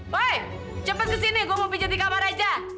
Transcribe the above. woy cepet kesini gue mau pijet di kamar aja